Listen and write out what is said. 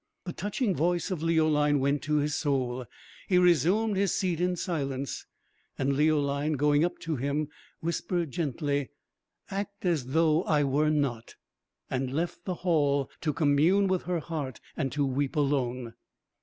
The touching voice of Leoline went to his soul; he resumed his seat in silence; and Leoline, going up to him, whispered gently, "Act as though I were not;" and left the hall to commune with her heart and to weep alone.